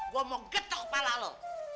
gue mau getok kepala lo